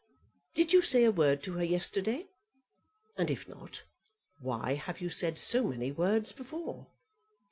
"Did you say a word to her yesterday? And if not, why have you said so many words before?"